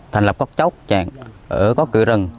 thành lập các chốc chặn ở các cửa rừng